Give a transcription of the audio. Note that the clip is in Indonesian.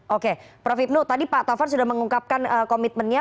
oke prof ibnu tadi pak taufan sudah mengungkapkan komitmennya